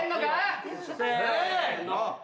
せの。